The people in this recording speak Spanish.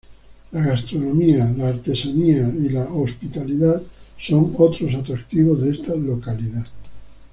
La gastronomía, la artesanía y el hospitalidad son otros atractivos de esta localidad.